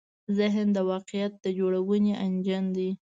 ذهن د واقعیت د جوړونې انجن دی.